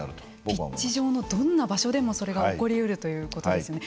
ピッチ上のどんな場所でもそれが起こり得るということですよね。